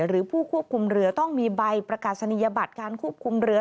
หรือผู้ควบคุมเรือต้องมีใบประกาศนียบัตรการควบคุมเรือ